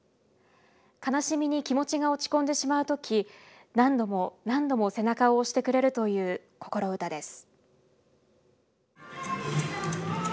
悲しみに気持ちが落ち込んでしまう時何度も何度も背中を押してくれるというこころウタです。